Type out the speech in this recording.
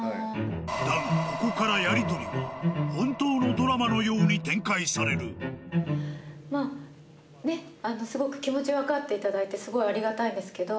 だがここからやりとりは本当のドラマのように展開されるすごく気持ち分かっていただいてありがたいんですけど。